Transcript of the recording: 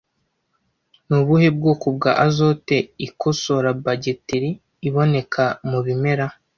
Ni ubuhe bwoko bwa azote ikosora bagiteri iboneka mu bimera